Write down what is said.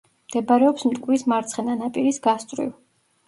მდებარეობს მტკვრის მარცხენა ნაპირის გასწვრივ.